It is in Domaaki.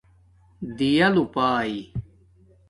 دِیݳ لوپݳئئ